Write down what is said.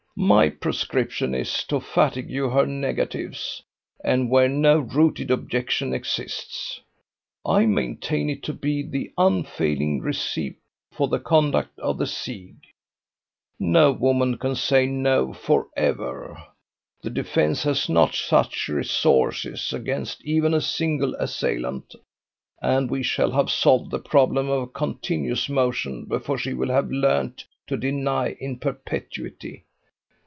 My prescription is, to fatigue her negatives; and where no rooted objection exists, I maintain it to be the unfailing receipt for the conduct of the siege. No woman can say No forever. The defence has not such resources against even a single assailant, and we shall have solved the problem of continuous motion before she will have learned to deny in perpetuity.